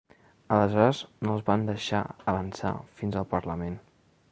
Aleshores no els van deixar avançar fins al parlament.